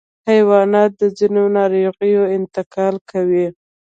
حیوانات د ځینو ناروغیو انتقال کوي.